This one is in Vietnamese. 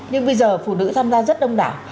nhưng bây giờ phụ nữ tham gia rất đông đảo